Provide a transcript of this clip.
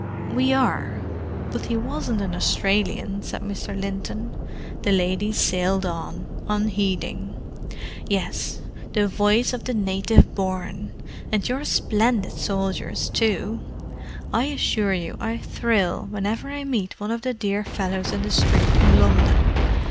"We are—but he wasn't an Australian," said Mr. Linton. The lady sailed on, unheeding. "Yes. The voice of the native born. And your splendid soldiers, too!—I assure you I thrill whenever I meet one of the dear fellows in the street in London.